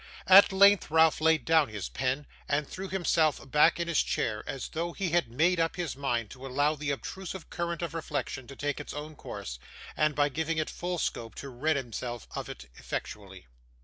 At length Ralph laid down his pen, and threw himself back in his chair as though he had made up his mind to allow the obtrusive current of reflection to take its own course, and, by giving it full scope, to rid himself of it effectually.